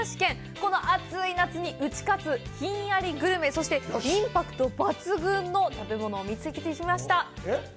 この暑い夏に打ち勝つひんやりグルメそしてインパクト抜群の食べ物を見つきぃてぃきましたえっ？